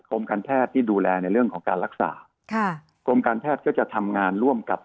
การแพทย์ที่ดูแลในเรื่องของการรักษาค่ะกรมการแพทย์ก็จะทำงานร่วมกับ